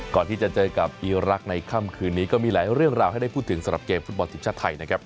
ก่อนที่จะเจอกับอีรักษ์ในค่ำคืนนี้ก็มีหลายเรื่องราวให้ได้พูดถึงสำหรับเกมฟุตบอลทีมชาติไทยนะครับ